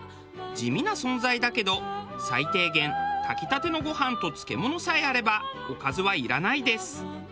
地味な存在だけど最低限炊きたてのご飯と漬物さえあればおかずはいらないです。